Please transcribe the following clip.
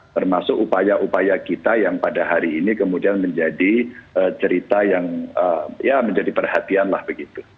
termasuk upaya upaya kita yang pada hari ini kemudian menjadi cerita yang ya menjadi perhatian lah begitu